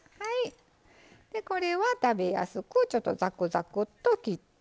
これは食べやすくちょっとザクザクッと切って。